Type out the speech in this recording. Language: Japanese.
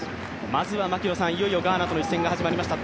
まずはいよいよガーナとの一戦が始まりました。